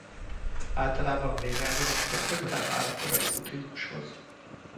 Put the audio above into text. Általában véve ez az iskola közelebb áll a korai buddhizmushoz.